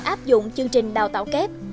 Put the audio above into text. và áp dụng chương trình đào tạo kép